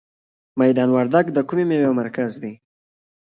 میدان وردګ د کومې میوې مرکز دی؟